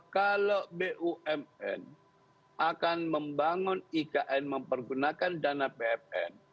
kalau bumn akan membangun ign mempergunakan dana pnm